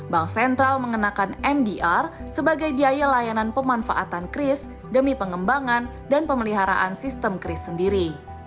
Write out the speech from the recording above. bank sentral mengenakan mdr sebagai biaya layanan pemanfaatan kris demi pengembangan dan pemeliharaan sistem kris sendiri